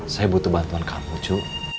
saya butuh bantuan kamu cu